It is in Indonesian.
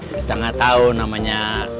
kita gak tau namanya